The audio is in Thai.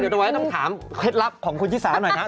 เดี๋ยวเอาไว้ต้องถามเคล็ดลับของคุณชิสาหน่อยนะ